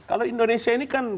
kalau indonesia ini kan